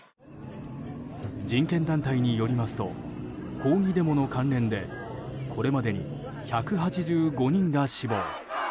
人権団体によりますと抗議デモの関連でこれまでに１８５人が死亡。